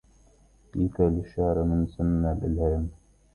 فيك للشعر من سنا الإلهام